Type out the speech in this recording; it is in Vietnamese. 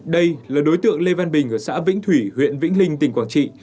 đây là đối tượng lê văn bình ở xã vĩnh thủy huyện vĩnh linh tỉnh quảng trị